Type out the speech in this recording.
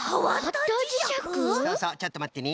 そうそうちょっとまってね。